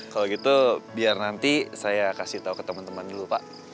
kalau gitu biar nanti saya kasih tau ke teman teman dulu pak